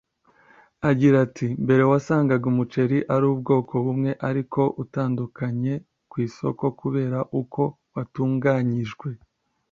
Agira ati “Mbere wasangaga umuceri ari ubwoko bumwe ariko utandukanye ku isoko kubera uko watunganyijwe